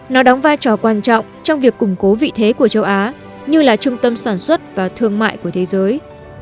nó đóng vai trò quan trọng trong việc củng cố vị thế của châu á như là trung tâm sản xuất và thương mại của thế giới